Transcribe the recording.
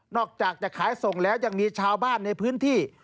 อกจากจะขายส่งแล้วยังมีชาวบ้านในพื้นที่